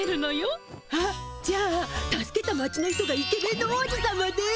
あっじゃあ助けた町の人がイケメンの王子さまで。